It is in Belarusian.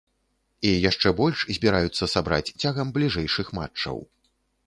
І яшчэ больш збіраюцца сабраць цягам бліжэйшых матчаў.